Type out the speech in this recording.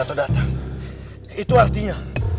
atau datang itu artinya